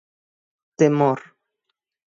Temor.